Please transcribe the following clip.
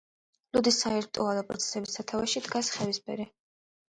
ლუდის სარიტუალო პროცესების სათავეში დგას ხევისბერი.